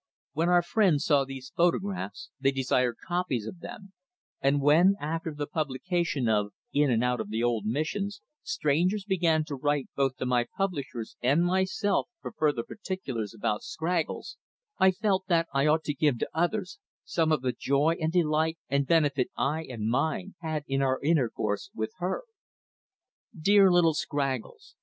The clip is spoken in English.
When our friends saw these photographs they desired copies of them; and when, after the publication of "In and Out of the Old Missions," strangers began to write both to my publishers and myself for "further particulars about Scraggles," I felt that I ought to give to others some of the joy and delight and benefit I and mine had in our intercourse with her. Dear little Scraggles!